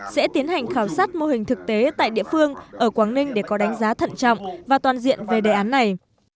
sẽ tiến hành khảo sát mô hình thực tế tại địa phương ở quảng ninh để có đánh giá thận trọng và toàn diện về đề án này